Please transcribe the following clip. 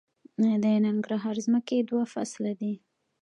د ننګرهار ځمکې دوه فصله دي